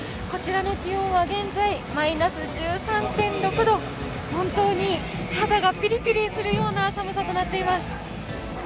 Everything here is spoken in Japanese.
こちらの気温は現在マイナス１３．６度本当に肌がピリピリするような寒さとなっています。